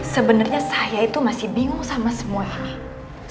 sebenernya saya itu masih bingung sama semua ini